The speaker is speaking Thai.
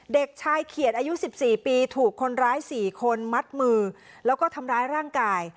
เด็กชายเขียดอายุ๑๔ปีถูกคนร้าย๔คนมัดมือแล้วก็ทำร้ายร่างกาย